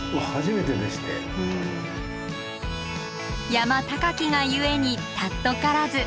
山高きが故に貴からず。